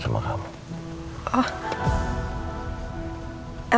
ada yang bapak mau bicara sama kamu